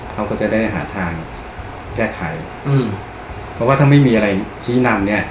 เขาก็จะได้หาทางแก้ไขอืมเพราะว่าถ้าไม่มีอะไรชี้นำเนี้ย